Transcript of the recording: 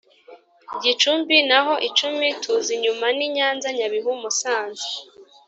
Gicumbi naho icumi tuza inyuma ni nyanza nyabihu musanze